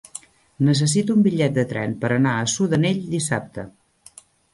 Necessito un bitllet de tren per anar a Sudanell dissabte.